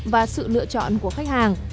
và sự lựa chọn của khách hàng